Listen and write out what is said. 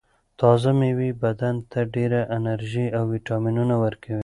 تازه مېوې بدن ته ډېره انرژي او ویټامینونه ورکوي.